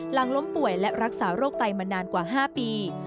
หลังล้มป่วยและรักษาโรคไตมานานกว่า๕ปี